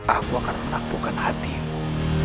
aku akan menaklukkan hatimu